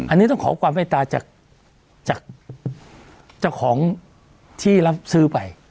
อันนี้ต้องขอความไว้ตาจากเจ้าของที่รับซื้อไป